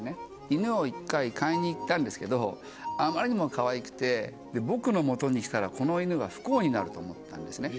犬を１回買いに行ったんですけどあまりにもかわいくて僕の元に来たらこの犬は不幸になると思ったんですね。